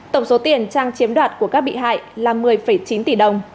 tổng số tiền trang chiếm đoạt của các bị hại là một mươi chín tỷ đồng